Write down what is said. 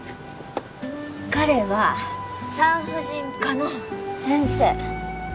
彼は産婦人科の先生。